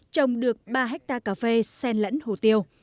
trồng được ba hectare cà phê sen lẫn hồ tiêu